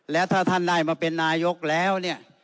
แล้วถ้าท่านได้มาเป็นนายกแล้วเนี่ย